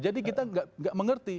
jadi kita gak mengerti